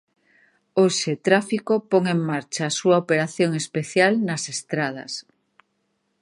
Hoxe tráfico pon en marcha a súa operación especial nas estrada.